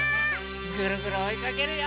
ぐるぐるおいかけるよ！